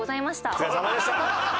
お疲れさまでした。